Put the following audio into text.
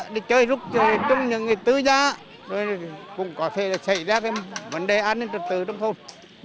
đi chơi rút chơi trong những người tư giá rồi cũng có thể xảy ra vấn đề an ninh trật tự trong thôn